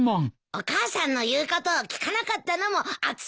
お母さんの言うことを聞かなかったのも暑さのせい？